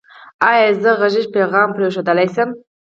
ایا زه غږیز پیغام پریښودلی شم؟